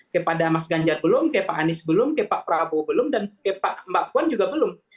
kepada mas ganjar belum ke pak anies belum ke pak prabowo belum dan ke mbak puan juga belum